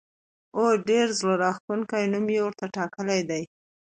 او ډېر زړه راښکونکی نوم یې ورته ټاکلی دی.